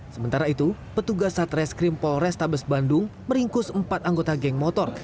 sementara itu petugas satres krim polores tabes bandung meringkus empat anggota geng motor